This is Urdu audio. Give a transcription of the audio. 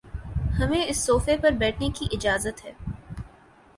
ہمیں اس صوفے پر بیٹھنے کی اجازت ہے